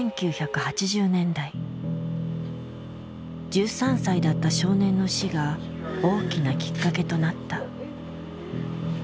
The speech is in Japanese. １３歳だった少年の死が大きなきっかけとなった。